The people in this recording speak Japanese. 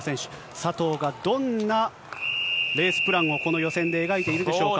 佐藤がどんなレースプランをこの予選で描いているでしょうか。